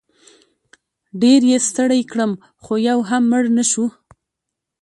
ډېر یې ستړی کړم خو یو هم مړ نه شو.